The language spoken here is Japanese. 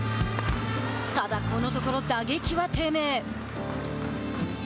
ただ、このところは打撃は低迷。